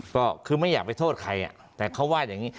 ก็คือไม่อยากไปโทษใครแต่เขาว่าอย่างนี้